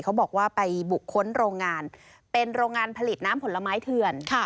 เขาบอกว่าไปบุกค้นโรงงานเป็นโรงงานผลิตน้ำผลไม้เถื่อน